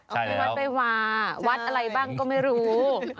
ที่วัดไปวาวัดอะไรบ้างก็ไม่รู้